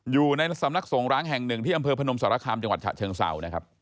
อยู่ในสำนักสงร้างแห่งหนึ่งที่อำเภอพนมสารคามจังหวัดฉะเชิงเศร้านะครับ